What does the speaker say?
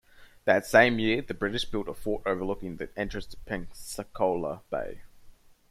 That same year, the British built a fort overlooking the entrance to Pensacola Bay.